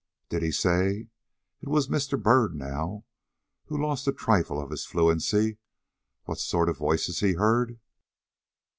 "Did he say" it was Mr. Byrd now who lost a trifle of his fluency "what sort of voices he heard?"